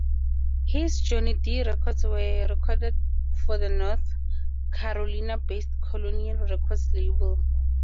His "Johnny Dee" records were recorded for the North Carolina-based Colonial Records label.